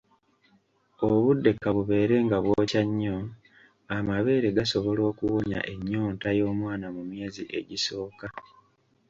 Obudde ka bubeere nga bwokya nnyo, amabeere gasobola okuwonya ennyonta y'omwana mu myezi egisooka.